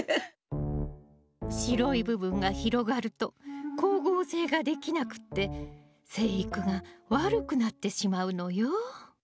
白い部分が広がると光合成ができなくって生育が悪くなってしまうのよ。